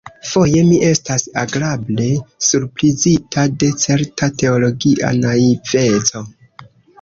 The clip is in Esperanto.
Foje mi estas agrable surprizita de certa teologia naiveco.